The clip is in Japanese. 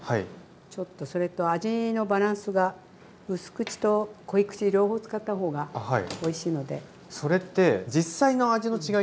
ちょっとそれと味のバランスがうす口とこい口両方使ったほうがおいしいので。